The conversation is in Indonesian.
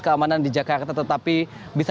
keamanan di jakarta tetapi bisa